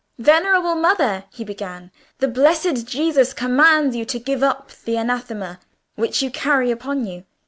"Venerable mother!" he began, "the blessed Jesus commands you to give up the Anathema which you carry upon you.